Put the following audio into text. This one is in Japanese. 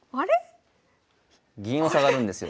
銀を下がるんですよ。